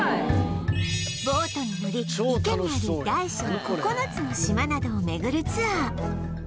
ボートに乗り池にある大小９つの島などを巡るツアー